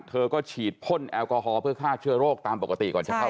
เธอก็ฉีดพ่นแอลกอฮอลเพื่อฆ่าเชื้อโรคตามปกติก่อนจะเข้า